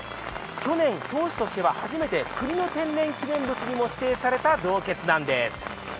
去年、曽於市としては初めて国の天然記念物としても指定された洞穴なんです。